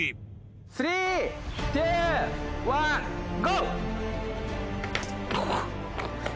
３、２、１、ゴー！